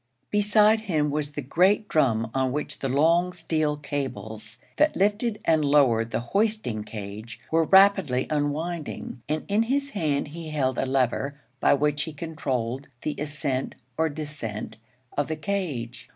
Beside him was the great drum on which the long steel cables that lifted and lowered the hoisting cage were rapidly unwinding, and in his hand he held a lever by which he controlled the ascent or descent of the 'cage.'